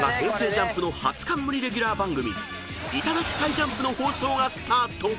ＪＵＭＰの初冠レギュラー番組『いただきハイジャンプ』の放送がスタート！］